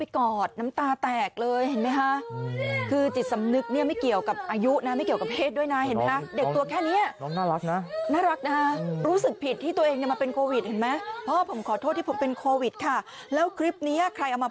กอดน้ำตาแตกเลยที่สำนุกไม่เกี่ยวกับอายุนะไม่เกี่ยวกับพฤสนโต้น่ารักนารักนะรู้สึกผิดที่ตัวเองมาเป็นโควิดเห็นมั้ยพ่อผมขอโทษที่เป็นโควิดค่ะแล้วคลิปนี้ใครเอามา